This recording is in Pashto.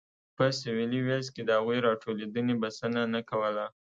په سوېلي ویلز کې د هغوی راټولېدنې بسنه نه کوله.